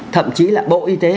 thậm chí là bộ y tế